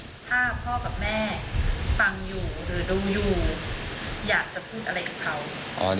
ถ้าพ่อกับแม่ฟังอยู่หรือดูอยู่อยากจะพูดอะไรกับเขา